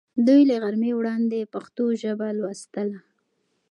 دوی له غرمې وړاندې پښتو ژبه لوستله.